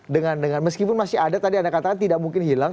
dengan meskipun masih ada tadi anda katakan tidak mungkin hilang